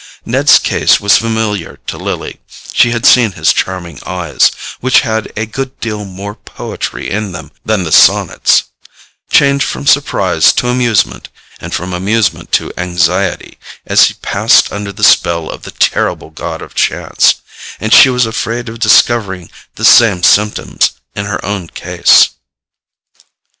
Ned's case was familiar to Lily: she had seen his charming eyes—which had a good deal more poetry in them than the sonnets—change from surprise to amusement, and from amusement to anxiety, as he passed under the spell of the terrible god of chance; and she was afraid of discovering the same symptoms in her own case.